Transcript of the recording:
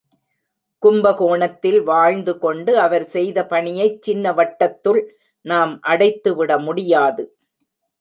கும்பகோணத்தில் வாழ்ந்து கொண்டு அவர் செய்த பணியைச் சின்ன வட்டத்துள் நாம் அடைத்து விடமுடியாது.